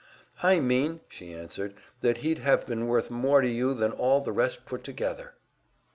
"I mean," she answered, "that he'd have been worth more to you than all the rest put together."